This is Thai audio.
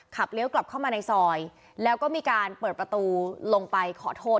เลี้ยวกลับเข้ามาในซอยแล้วก็มีการเปิดประตูลงไปขอโทษ